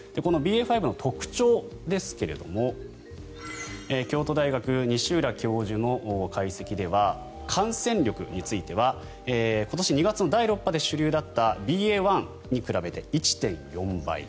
このＢＡ．５の特徴ですけども京都大学、西浦教授の解析では感染力については今年２月の第６波で主流だったＢＡ．１に比べて１．４倍。